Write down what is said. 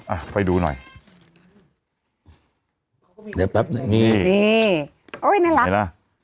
อ่ะไปดูหน่อยเดี๋ยวแป๊บหนึ่งนี่นี่โอ้ยน่ารักไหมล่ะ